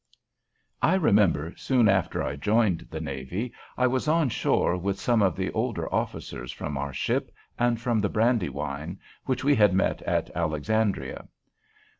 I remember, soon after I joined the navy, I was on shore with some of the older officers from our ship and from the "Brandywine," which we had met at Alexandria.